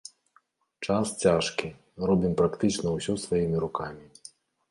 Час цяжкі, робім практычна ўсё сваімі рукамі.